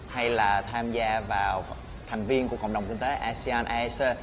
hay là tham gia vào thành viên của cộng đồng kinh tế asean aec